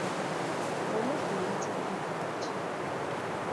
Omubbi yattiddwa ku makya.